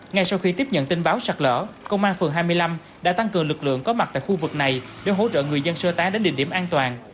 ngay sau khi tiếp nhận tin báo sạt lở công an phường hai mươi năm đã tăng cường lực lượng có mặt tại khu vực này để hỗ trợ người dân sơ tán đến địa điểm an toàn